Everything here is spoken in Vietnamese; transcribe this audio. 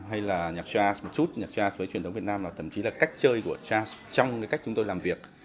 hay là nhạc jazz một chút nhạc jazz với truyền thống việt nam là thậm chí là cách chơi của jazz trong cách chúng tôi làm việc